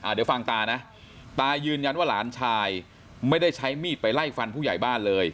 เดี๋ยวฟังตานะตายืนยันว่าหลานชายไม่ได้ใช้มีดไปไล่ฟันผู้ใหญ่บ้านเลย